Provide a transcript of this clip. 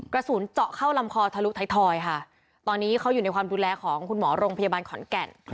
กระสุนเจาะเข้าลำคอทะลุท้ายทอยค่ะตอนนี้เขาอยู่ในความดูแลของคุณหมอโรงพยาบาลขอนแก่น